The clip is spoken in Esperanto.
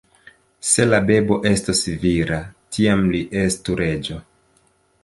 Se la bebo estos vira, tiam li estu reĝo.